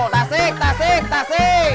tasik tasik tasik